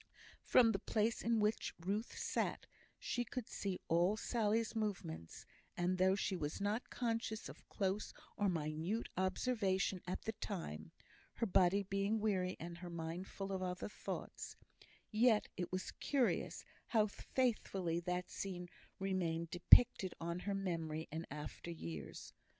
From the place in which Ruth sat she could see all Sally's movements; and though she was not conscious of close or minute observation at the time (her body being weary, and her mind full of other thoughts), yet it was curious how faithfully that scene remained depicted on her memory in after years.